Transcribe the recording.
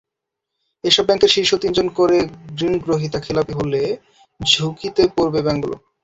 এসব ব্যাংকের শীর্ষ তিনজন করে ঋণগ্রহীতা খেলাপি হলে ঝুঁকিতে পড়বে ব্যাংকগুলো।